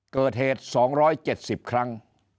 เกิดเหตุ๒๗๐ครั้ง